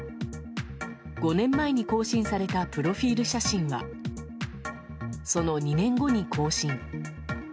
５年前に更新されたプロフィール写真はその２年後に更新。